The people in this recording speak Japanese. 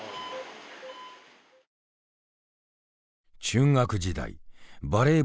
中学時代バレー